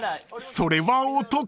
［それはお得］